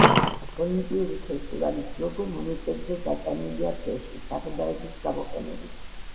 ოლიმპიური ფესტივალის ლოგო მონეტებზე დატანილია ფერში, საღებავების გამოყენებით.